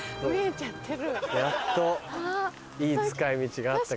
やっといい使い道があったか。